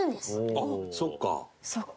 あっそっか。